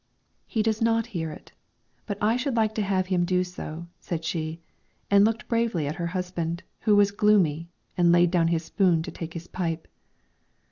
"He does not hear it; but I should like to have him do so," said she, and looked bravely at her husband, who was gloomy, and laid down his spoon to take his pipe.